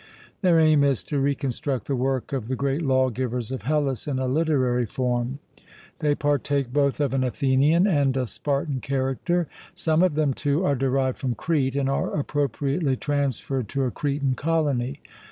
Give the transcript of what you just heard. Their aim is to reconstruct the work of the great lawgivers of Hellas in a literary form. They partake both of an Athenian and a Spartan character. Some of them too are derived from Crete, and are appropriately transferred to a Cretan colony.